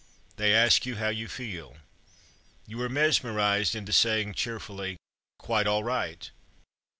They ask you how you feel. You are mesmerized into saying cheerfully, "'Quite all right."